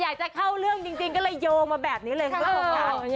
อยากจะเข้าเรื่องจริงก็เลยโยงมาแบบนี้เลยคุณผู้ชมค่ะ